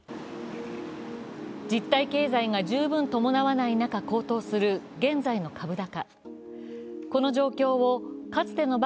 実体経済が十分伴わない中高騰する現在の株高。